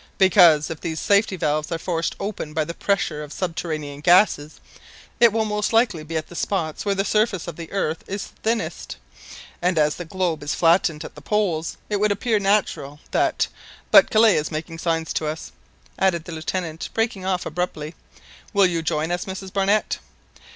"Because, if these safety valves are forced open by the pressure of subterranean gases, it will most likely be at the spots where the surface of the earth is thinest, and as the globe is flattened at the poles, it would appear natural that but Kellet is making signs to us," added the Lieutenant, breaking off abruptly; "will you join us, Mrs Barnett?"